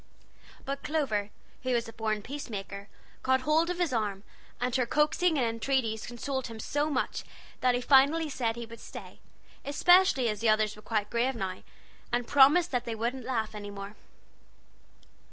But Clover, who was a born peacemaker, caught hold of his arm, and her coaxings and entreaties consoled him so much that he finally said he would stay; especially as the others were quite grave now, and promised that they wouldn't laugh any more.